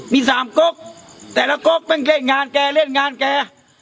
มีสามกกแต่ละก๊กต้องเล่นงานแกเล่นงานแก